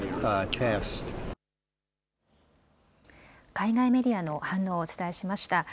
海外メディアの反応をお伝えしました。